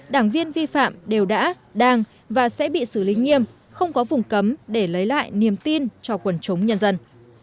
đảng viên vi phạm đều đã đang và sẽ bị xử lý nghiêm không có vùng cấm để lấy lại niềm tin cho quần chúng nhân dân